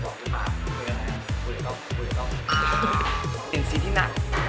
อะไรก็อยู่อีกนะ